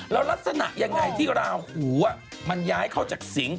แล้วลักษณะยังไงที่ราหูมันย้ายเข้าจากสิง